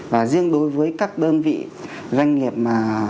và riêng đối với các đơn vị doanh nghiệp mà